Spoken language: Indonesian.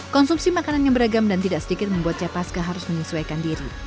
konsumsi makanan yang beragam dan tidak sedikit membuat capaska harus menyesuaikan diri